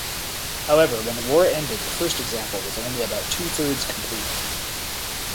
However, when the war ended the first example was only about two thirds complete.